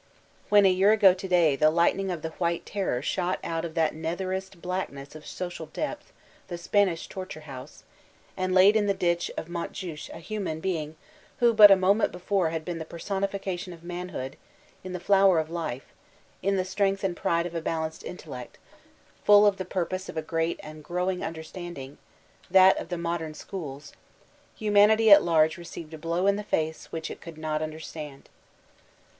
When a year ago to day the lightning of the White Terror shot out of that netherest blackness of Social Depth, the Spanish Torture House, and laid in the ditch of Montjuich a human being who but a moment before had been the personification of manhood, in the flower of life, in the strength and pride of a balanced intellect, lull of the purpose of a great and growing undertaking,— that of the Modem Schools, — humanity at large received a blow in the face which it could not understand.